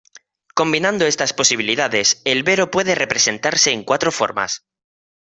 Combinando estas posibilidades, el vero puede presentarse en cuatro formas.